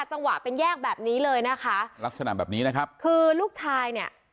จังหวะเป็นแยกแบบนี้เลยนะคะลักษณะแบบนี้นะครับคือลูกชายเนี่ย